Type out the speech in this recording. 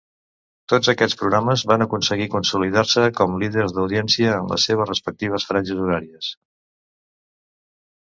Tots aquests programes van aconseguir consolidar-se com líders d'audiència en les seves respectives franges horàries.